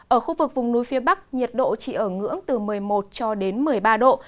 ở khu vực vùng núi phía bắc nhiệt độ chỉ ở ngưỡng từ một mươi một cho đến một mươi ba độ